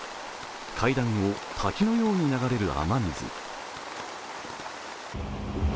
階段を滝のように流れる雨水。